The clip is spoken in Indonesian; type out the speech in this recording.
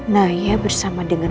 naya bersama dengan